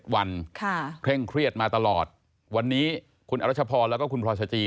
วันเคร่งเครียดมาตลอดวันนี้คุณอรัชพรแล้วก็คุณพลอยสจี